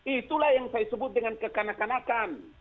itulah yang saya sebut dengan kekanakan kanakan